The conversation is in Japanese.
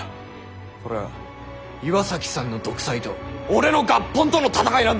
これは岩崎さんの独裁と俺の合本との戦いなんだ。